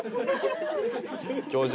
教授。